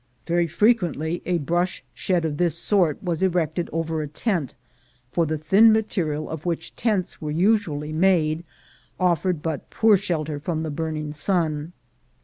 Very frequently a brush shed of this sort was erected over a tent, for the thin material of which tents were usually made offered but poor shelter from the burning sun.